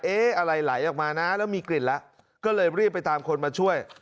อะไรไหลออกมานะแล้วมีกลิ่นแล้วก็เลยรีบไปตามคนมาช่วย